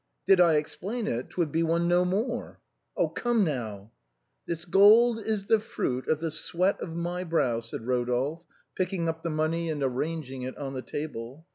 " Did I explain it, 'twould be one no more." " Come, now !" "This gold is the fruit of the sweat of my brow," said Eodolphe, picking up the money and arranging it on the table.